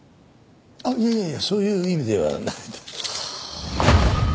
あっいやいやいやそういう意味ではなくて。